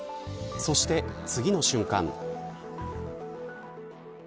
そして次の瞬間。